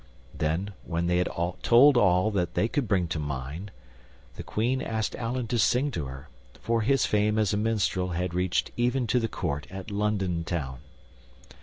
Then, when they had told all that they could bring to mind, the Queen asked Allan to sing to her, for his fame as a minstrel had reached even to the court at London Town.